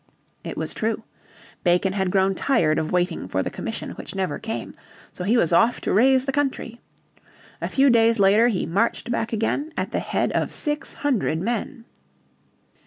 It was true. Bacon had grown tired of waiting for the commission which never came. So he was off to raise the country. A few days later he marched back again at the head of six hundred men.